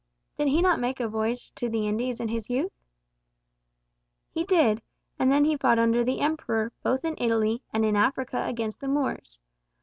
"Did he not make a voyage to the Indies in his youth?" "He did; and then he fought under the Emperor, both in Italy, and in Africa against the Moors.